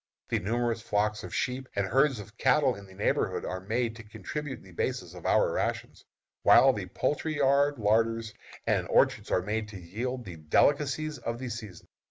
The numerous flocks of sheep and herds of cattle in the neighborhood are made to contribute the basis of our rations, while the poultry yards, larders, and orchards are made to yield the delicacies of the season.